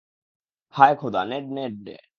হায় খোদা, নেড, নেড।